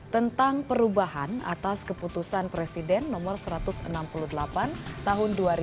tentang perubahan atas keputusan presiden nomor satu ratus enam puluh delapan tahun dua ribu dua